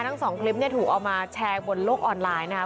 ทั้งสองคลิปเนี่ยถูกเอามาแชร์บนโลกออนไลน์นะครับ